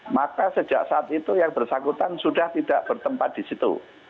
maka sejak saat itu yang bersangkutan sudah tidak bertempat di situ